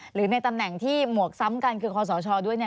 หรือในตำแหน่งที่หมวกซ้ำกันคือคอสชด้วยเนี่ย